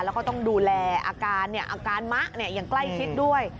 แล้วก็ต้องดูแลอาการเนี่ยอาการมะเนี่ยยังใกล้คิดด้วย